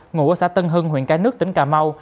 ngụ ở xã tân hưng huyện cái nước tỉnh cà mau